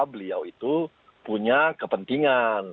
beliau itu punya kepentingan